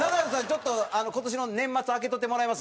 ちょっと今年の年末空けとってもらえます？